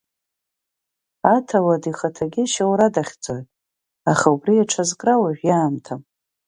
Аҭауад ихаҭагьы ашьоура дахьӡоит, аха убри аҽазкра уажәы иаамҭам.